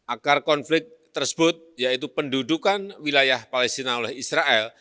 akar konflik tersebut yaitu pendudukan wilayah palestina oleh israel